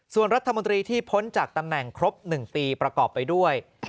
ส่วนรัฐมนตรีที่พ้นจากตำแหน่งครบ๑ปีประกอบไปด้วย